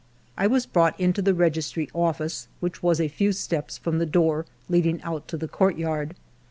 I was brought into the registry office, which was a few steps from the door leading out to the courtyard.